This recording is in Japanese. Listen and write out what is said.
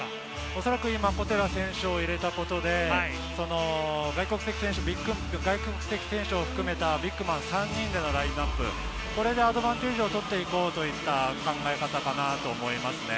おそらく、小寺選手を入れたことで外国選手を含めたビッグマン３人でのラインナップ、これでアドバンテージを取って行こうといった考え方かなと思いますね。